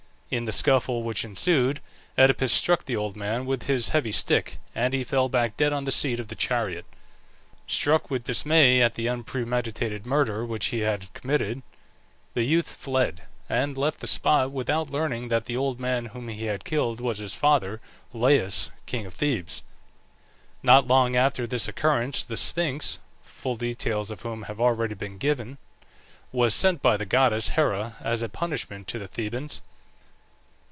In the scuffle which ensued Oedipus struck the old man with his heavy stick, and he fell back dead on the seat of the chariot. Struck with dismay at the unpremeditated murder which he had committed, the youth fled, and left the spot without learning that the old man whom he had killed was his father, Laius, king of Thebes. Not long after this occurrence the Sphinx (full details of whom have already been given) was sent by the goddess Hera as a punishment to the Thebans.